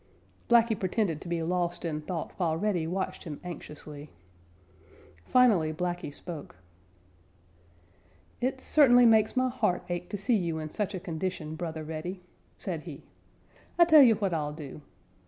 Blacky pretended to be lost in thought while Reddy watched him anxiously. Finally Blacky spoke. "It certainly makes my heart ache to see you in such a condition, Brother Reddy," said he. "I tell you what I'll do.